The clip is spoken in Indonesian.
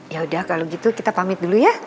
yaudah kalau gitu kita pamit dulu ya